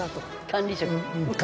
管理職。